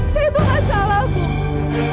saya itu gak salah bu